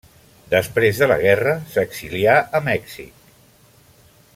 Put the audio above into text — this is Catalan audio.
Després de la guerra s’exilià a Mèxic.